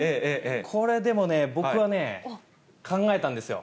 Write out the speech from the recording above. これ、でもね、僕はね、考えたんですよ。